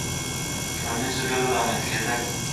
• د ټولنیزو ډلو رامنځته کېدل.